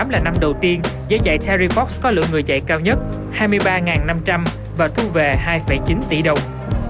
hai nghìn một mươi tám là năm đầu tiên giải chạy terry fox có lượng người chạy cao nhất hai mươi ba năm trăm linh và thu về hai chín tỷ đồng